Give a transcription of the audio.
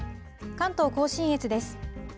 関東甲信越です。